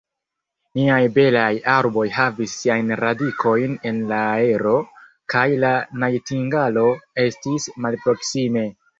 Niaj belaj arboj havis siajn radikojn en la aero, kaj la najtingalo estis malproksime.